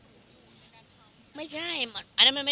สมมุติจะโน้นก็คิดยังท่านอี้ถามไหมครับ